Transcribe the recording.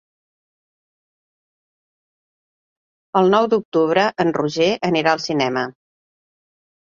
El nou d'octubre en Roger anirà al cinema.